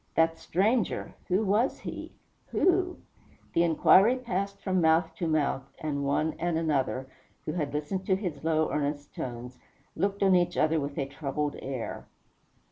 That stranger who was he? Who? The inquiry passed from mouth to mouth, and one and another, who had listened to his low, earnest tones, looked on each other with a troubled air.